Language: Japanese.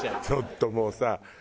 ちょっともうさ。